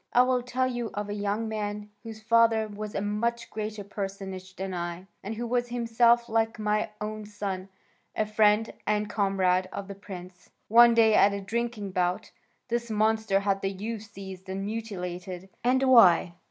I will tell you of a young man whose father was a much greater personage than I, and who was himself, like my own son, a friend and comrade of the prince. One day at a drinking bout this monster had the youth seized and mutilated, and why?